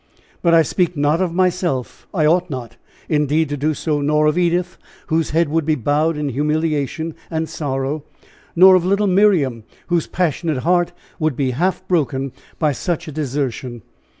But I speak not of myself I ought not, indeed, to do so nor of Edith, whose head would be bowed in humiliation and sorrow nor of little Miriam, whose passionate heart would be half broken by such a desertion.